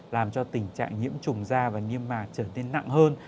làm cho tình trạng nhiễm trùng da và niêm mạc trở nên nặng hơn